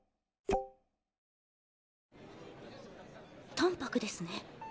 淡白ですね。